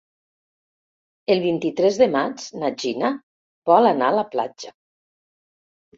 El vint-i-tres de maig na Gina vol anar a la platja.